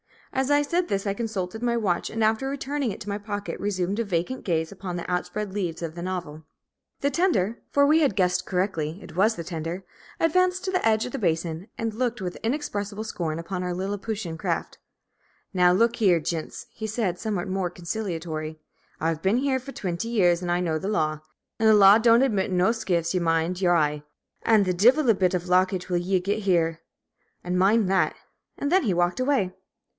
As I said this I consulted my watch, and after returning it to my pocket resumed a vacant gaze upon the outspread leaves of the novel. The tender for we had guessed rightly; it was the tender advanced to the edge of the basin, and looked with inexpressible scorn upon our Liliputian craft. "Now, look here, gints," he said, somewhat more conciliatory, "I've been here for twinty years, an' know the law; an' the law don't admit no skiffs, ye mind y'ur eye. An' the divil a bit of lockage will ye git here, an' mind that!" And then he walked away.